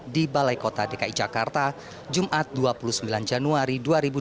di balai kota dki jakarta jumat dua puluh sembilan januari dua ribu dua puluh